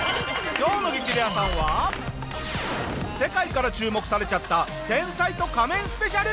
今日の『激レアさん』は世界から注目されちゃった天才と仮面スペシャル。